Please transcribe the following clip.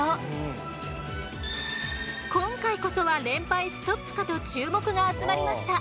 今回こそは連敗ストップかと注目が集まりました。